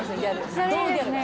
ちなみにですね